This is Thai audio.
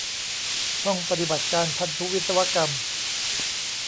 ห้องปฏิบัติการพันธุวิศกรรม